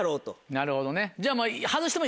なるほど。